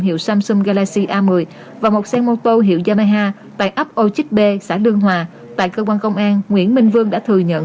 hiệu samsung galaxy a một mươi và một xe mô tô hiệu yamaha tại ấp âu chích b xã lương hòa tại cơ quan công an nguyễn minh vương đã thừa nhận